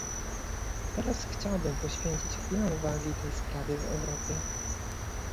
Teraz chciałbym poświęcić chwilę uwagi tej sprawie w Europie